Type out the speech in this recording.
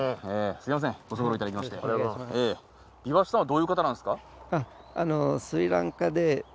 すいませんご足労いただきましてビパッシさんはどういう方なんですか？